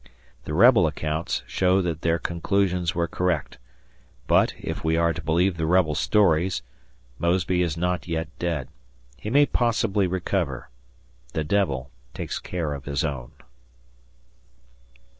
The rebel accounts show that their conclusions were correct; but, if we are to believe the rebel stories, Mosby is not yet dead. He may possibly recover: "The devil takes care of his own."